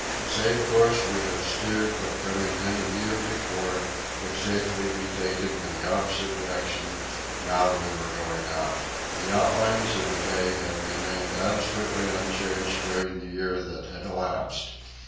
The same course we had steered when coming in a year before could safely be taken in the opposite direction now we were going out. The outlines of the bay had remained absolutely unchanged during the year that had elapsed.